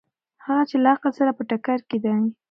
هغه چې له عقل سره په ټکر کې دي.